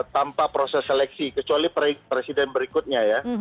tanpa proses seleksi kecuali presiden berikutnya ya